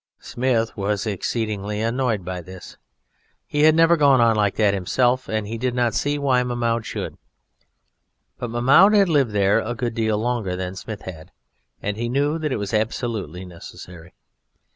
Smith was exceedingly annoyed by this. He had never gone on like that himself, and he did not see why Mahmoud should. But Mahmoud had lived there a good deal longer than Smith had, and he knew that it was absolutely necessary.